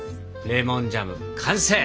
レモンジャム完成！